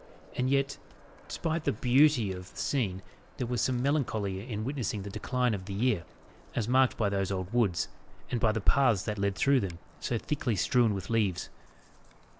And yet, despite the beauty of the scene, there was something melancholy in witnessing the decline of the year, as marked by those old woods, and by the paths that led through them, so thickly strewn with leaves.